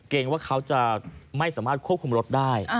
ว่าเขาจะไม่สามารถควบคุมรถได้